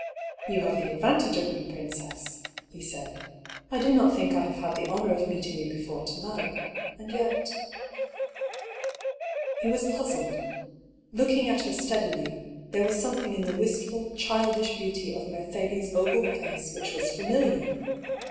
" You have the advantage of me, princess," he said. " I do not think I have had the honour of meeting you before to night. And yet " He was puzzled. Looking at her steadily, there was something in the wistful, childish beauty of Mercedes' oval face which was familiar.